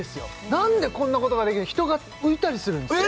なんでこんなことができる人が浮いたりするんですよ